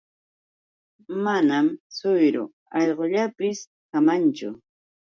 Manam suyru allqullaapapis kamanchu.